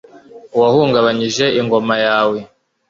uwahungabanyije ingoma yawe